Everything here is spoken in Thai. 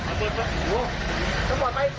ถ้าได้ยินติดใจด้วย